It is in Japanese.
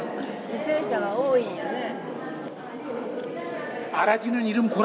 犠牲者が多いんやね。